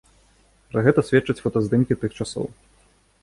Пра гэта сведчаць фотаздымкі тых часоў.